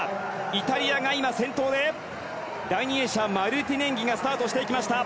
イタリアが先頭で第２泳者、マルティネンギがスタートしていきました。